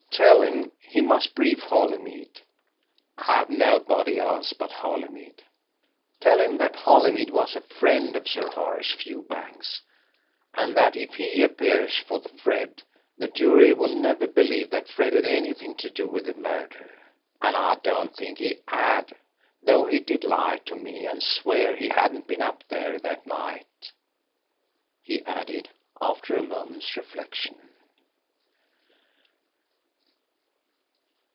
Tell him he must brief Holymead have nobody else but Holymead. Tell him that Holymead was a friend of Sir Horace Fewbanks's and that if he appears for Fred the jury will never believe that Fred had anything to do with the murder. And I don't think he had, though he did lie to me and swear he hadn't been up there that night," he added after a moment's reflection.